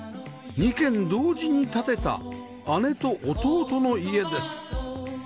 ２軒同時に建てた姉と弟の家です